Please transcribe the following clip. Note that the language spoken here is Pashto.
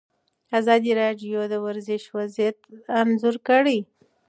ازادي راډیو د ورزش وضعیت انځور کړی.